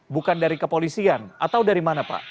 bukan dari kepolisian atau dari mana pak